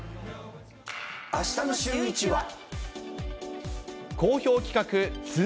あしたのシューイチは。